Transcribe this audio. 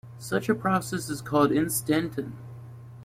Such a process is called an instanton.